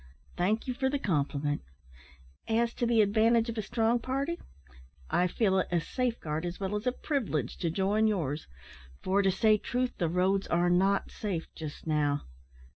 "Thank you for the compliment. As to the advantage of a strong party, I feel it a safeguard as well as a privilege to join yours, for, to say truth, the roads are not safe just now.